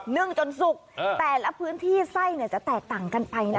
นึ่งจนสุกแต่แล้วพื้นที่ไส้เนี่ยจะแตกต่างกันไปนะครับ